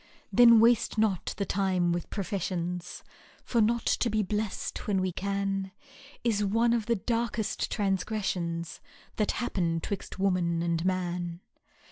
Then waste not the time with professions , For not to be blest when we can^ Is one of the darkest transgressions That happen 'twixt woman and man."